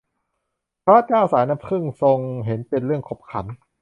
พระเจ้าสายน้ำผึ้ง ทรงเห็นเป็นเรื่องขบขัน